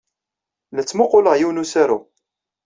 La ttmuqquleɣ yiwen n usaru.